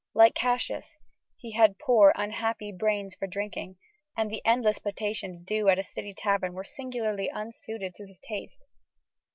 Like Cassius, he had "poor, unhappy brains for drinking," and the endless potations due at a city tavern were singularly unsuited to his taste.